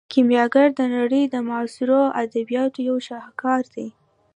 کیمیاګر د نړۍ د معاصرو ادبیاتو یو شاهکار دی.